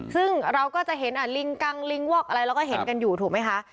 ซึ่งเราก็จะเห็นลิงกังลิงวอกอะไรเราก็เห็นกันอยู่ถูกไหมคะ